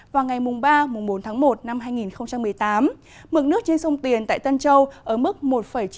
vào ngày ba bốn tháng một năm hai nghìn một mươi tám mức nước trên sông tiền tại tân châu ở mức một chín mươi sáu m